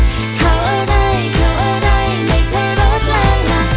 เข้าอะไรเข้าอะไรไม่เคยรอจร้ายหลัก